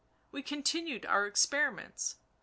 we continued our experiments